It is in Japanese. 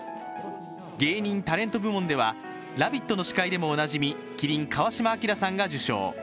芸人・タレント部門では「ラヴィット！」の司会でもおなじみ、麒麟・川島明さんが受賞。